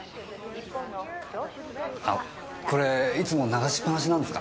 これいつも流しっ放しなんですか？